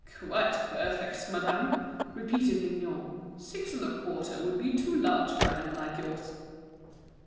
"Oh! quite perfect, madame!" repeated Mignot. "Six and a quarter would be too large for a hand like yours."